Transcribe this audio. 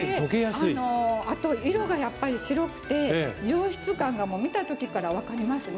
あと、色がやっぱり白くて上質感が見たときから分かりますね。